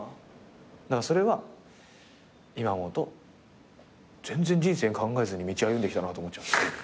それは今思うと全然人生考えずに道歩んできたなと思っちゃう。